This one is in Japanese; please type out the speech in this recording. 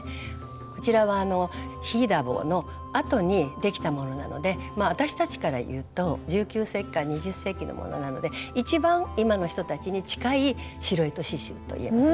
こちらはヒーダボーのあとにできたものなので私たちからいうと１９世紀から２０世紀のものなので一番今の人たちに近い白糸刺しゅうといえますね。